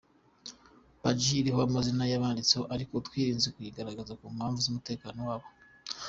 Paji iriho amazina y’abayanditse ariko twirinze kuyigaragaza ku mpamvu z’umutekano wabo.